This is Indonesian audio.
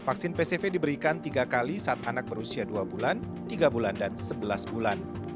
vaksin pcv diberikan tiga kali saat anak berusia dua bulan tiga bulan dan sebelas bulan